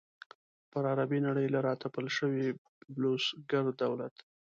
پر عربي نړۍ له را تپل شوي بلوسګر دولت.